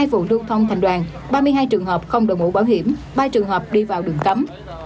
hai vụ lưu thông thành đoàn ba mươi hai trường hợp không đổi mũ bảo hiểm ba trường hợp đi vào đường cấm